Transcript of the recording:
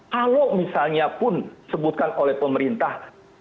kalau misalnya pun sebutkan oleh pemerintah